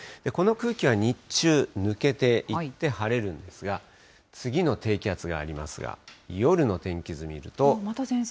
この空気は日中、抜けていって、晴れるんですが、次の低気圧がありますが、夜の天気図見ると。